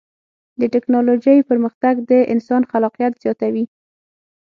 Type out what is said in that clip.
د ټکنالوجۍ پرمختګ د انسان خلاقیت زیاتوي.